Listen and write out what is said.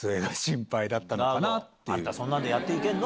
「そんなんでやって行けるの？」。